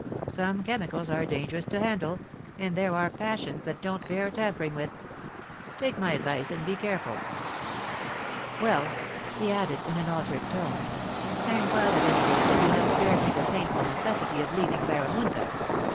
Some chemicals are dangerous to handle, and there are passions that don't bear tampering with. Take my advice, and be careful Well,' he added in an altered tone, * I am glad at any rate that you have spared me the painful necessity of leaving Barramunda.